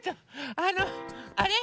あのあれ？